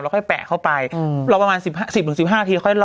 ค่อยแปะเข้าไปรอประมาณ๑๐๑๕นาทีค่อยรอ